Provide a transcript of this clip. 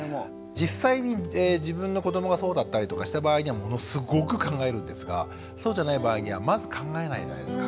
実際に自分の子どもがそうだったりとかした場合にはものすごく考えるんですがそうじゃない場合にはまず考えないじゃないですか。